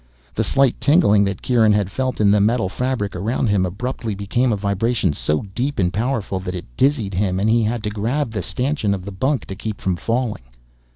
The slight tingling that Kieran had felt in the metal fabric around him abruptly became a vibration so deep and powerful that it dizzied him and he had to grab the stanchion of the bunk to keep from falling.